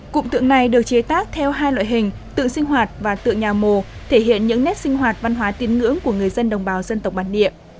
cụm tượng này được chế tác theo hai loại hình tượng sinh hoạt và tượng nhà mồ thể hiện những nét sinh hoạt văn hóa tín ngưỡng của người dân đồng bào dân tộc bản địa